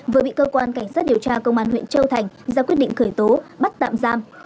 vừa bị cơ quan cảnh sát điều tra công an huyện châu thành ra quyết định khởi tố bắt tạm giam